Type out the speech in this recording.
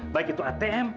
baik itu atm